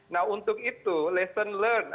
nah untuk itu lesson leard